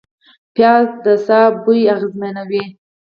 پیاز د ساه بوی اغېزمنوي